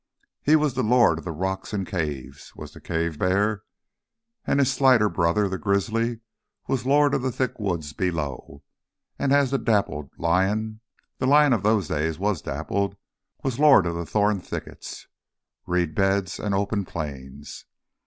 He was the lord of the rocks and caves, was the cave bear, as his slighter brother, the grizzly, was lord of the thick woods below, and as the dappled lion the lion of those days was dappled was lord of the thorn thickets, reed beds, and open plains.